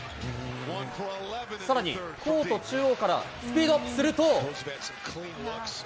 さらにコート中央からスピードアップすると。